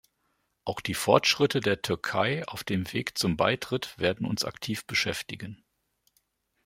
Auch die Fortschritte der Türkei auf dem Weg zum Beitritt werden uns aktiv beschäftigen.